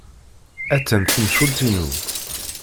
Attan tenfult-inu.